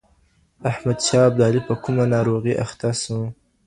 احمد شاه ابدالي په کومه ناروغۍ اخته سو؟